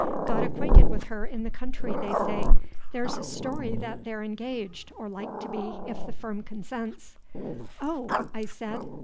Got acquainted with her in the country, they say. There 's a story that they're engaged, or like to be, if the firm consents." "Oh" I said.